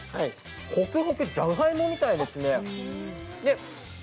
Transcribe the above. ホクホク、じゃがいもみたいですね。